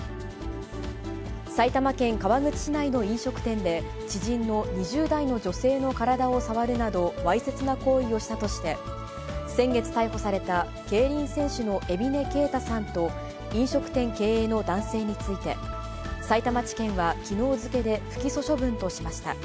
埼玉県川口市内の飲食店で、知人の２０代の女性の体を触るなど、わいせつな行為をしたとして、先月逮捕された、競輪選手の海老根恵太さんと、飲食店経営の男性について、さいたま地検は、きのう付けで不起訴処分としました。